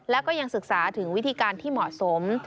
แล้วก็ยังศึกษาถึงวิธีการที่เหมาะสม